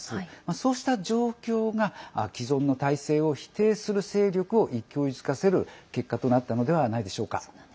そうした状況が既存の体制を否定する勢力を勢いづかせる結果となったのではないでしょうか。